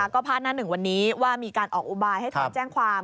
ก็พาดหน้าหนึ่งวันนี้ว่ามีการออกอุบายให้ถอนแจ้งความ